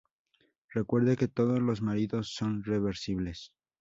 Recuerde que todos los maridos son reversibles.